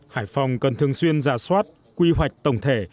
hải phòng cần thường xuyên giả soát quy hoạch tổng thể